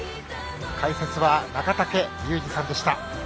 解説は中竹竜二さんでした。